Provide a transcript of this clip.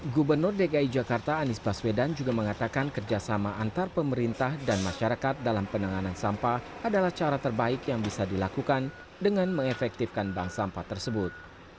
gubernur dki jakarta anies baswedan juga mengatakan kerjasama antar pemerintah dan masyarakat dalam penanganan sampah adalah cara terbaik yang bisa dilakukan dengan mengefektifkan bank sampah tersebut